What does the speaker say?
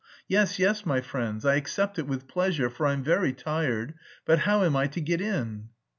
"Yes, yes, my friends, I accept it with pleasure, for I'm very tired; but how am I to get in?"